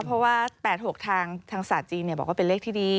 เพราะว่า๘๖ทางศาสตร์จีนบอกว่าเป็นเลขที่ดี